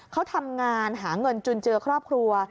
เขาทำงานหาเงินจุนเจือครอบครัว